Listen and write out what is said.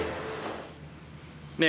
oh sign rekan masuk